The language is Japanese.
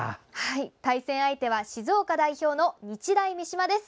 対戦相手は静岡代表の日大三島です。